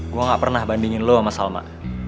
gue gak pernah bandingin lo sama salma